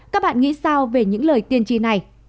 các bạn nghĩ sao về những lời tiên tri này